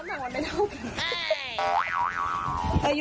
น้ำหนักมันไม่เท่าไหร่